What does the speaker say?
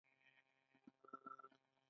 کاناډا د سمندري خوړو صادرات لري.